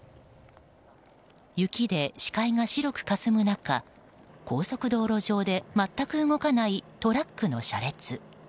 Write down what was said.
雪で視界が白くかすむ中高速道路上で全く動かないトラックの車列。